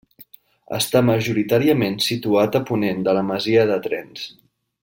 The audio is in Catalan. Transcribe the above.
Està majoritàriament situat a ponent de la masia de Trens.